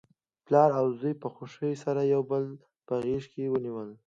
پلار او زوی په خوښۍ سره یو بل په غیږ کې ونیول.